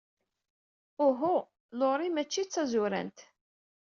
Uhu, Laurie maci d tazurant.